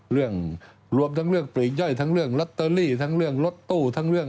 รวมรวมทั้งเรื่องปลีกย่อยทั้งเรื่องลอตเตอรี่ทั้งเรื่องรถตู้ทั้งเรื่อง